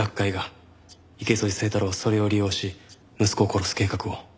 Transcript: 池添清太郎はそれを利用し息子を殺す計画を。